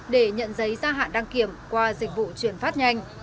để nhận giấy gia hạn đăng kiểm qua dịch vụ chuyển phát nhanh